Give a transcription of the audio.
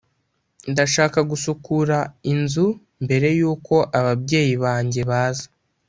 ndashaka gusukura inzu mbere yuko ababyeyi banjye baza.